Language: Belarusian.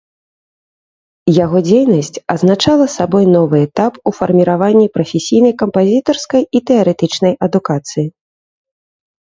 Яго дзейнасць азначала сабой новы этап у фарміраванні прафесійнай кампазітарскай і тэарэтычнай адукацыі.